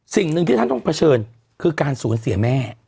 สิ่งหนึ่งที่ท่านต้องเผชิญคือการสูญเสียแม่